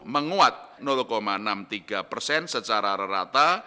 menguat enam puluh tiga persen secara rata